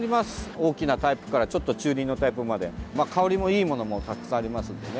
大きなタイプからちょっと中輪のタイプまで香りがいいものもたくさんありますのでね。